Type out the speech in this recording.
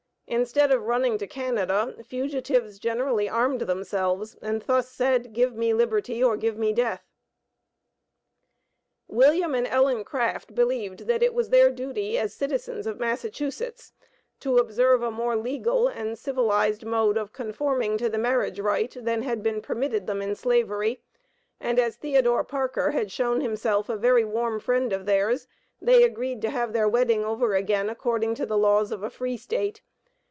Instead of running to Canada, fugitives generally armed themselves and thus said, "Give me liberty or give me death." William and Ellen Craft believed that it was their duty, as citizens of Massachusetts, to observe a more legal and civilized mode of conforming to the marriage rite than had been permitted them in slavery, and as Theodore Parker had shown himself a very warm friend of their's, they agreed to have their wedding over again according to the laws of a free State.